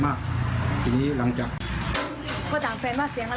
บอกว่าเร็วขอไปดูได้ไหมบอกว่ายังก่อนยังก่อน